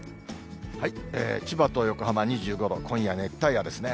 千葉と横浜２５度、今夜熱帯夜ですね。